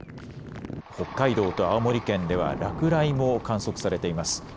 北海道と青森県では落雷も観測されています。